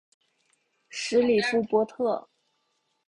什里夫波特。